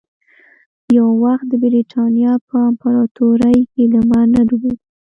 یو وخت د برېتانیا په امپراتورۍ کې لمر نه ډوبېده.